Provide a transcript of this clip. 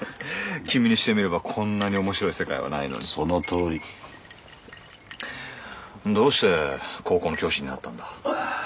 君にしてみればこんなに面白い世界はないのにその通りどうして高校の教師になったんだうわー